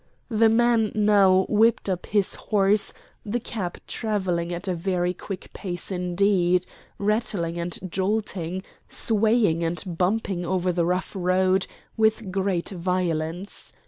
The man now whipped up his horse, the cab travelling at a very quick pace indeed, rattling and jolting, swaying and bumping over the rough road with great violence.